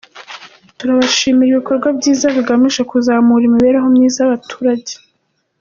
Turabashimira ibikorwa byiza bigamije kuzamura imibereho myiza y’abaturage".